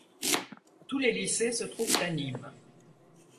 Tous les lycées se trouvent à Nîmes.